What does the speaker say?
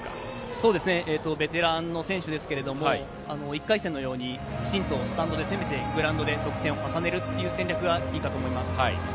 ベテランの選手ですけれど、１回戦のようにきちんとスタンドで攻めて、グラウンドで得点を重ねる戦略がいいかと思います。